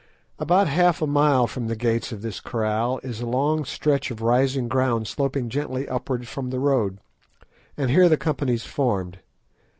About half a mile from the gates of this kraal is a long stretch of rising ground sloping gently upwards from the road, and here the companies formed.